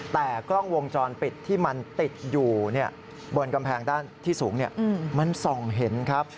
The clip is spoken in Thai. แต่กล้องวงจรปิดที่มันติดอยู่บนกำแพงด้านที่สูงมันส่องเห็นครับ